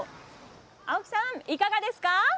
青木さん、いかがですか？